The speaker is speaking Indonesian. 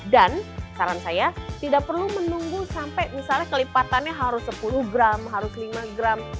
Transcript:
dan saran saya tidak perlu menunggu sampai misalnya kelipatannya harus sepuluh gram harus lima gram